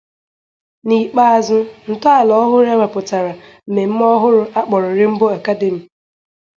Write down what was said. N'ikpeazụ, ntọala ọhụrụ ewepụtara mmemme ọhụrụ akpọrọ Rainbow Academy.